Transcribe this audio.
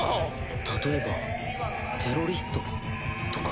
例えばテロリストとか。